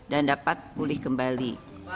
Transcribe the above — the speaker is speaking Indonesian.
dan dapat pulih kembali